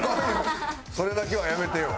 それだけはやめてよ。